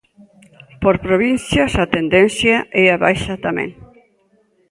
Por provincias a tendencia é á baixa tamén.